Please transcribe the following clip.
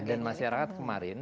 ya dan masyarakat kemarin